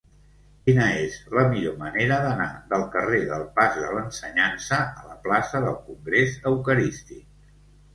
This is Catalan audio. Quina és la millor manera d'anar del carrer del Pas de l'Ensenyança a la plaça del Congrés Eucarístic?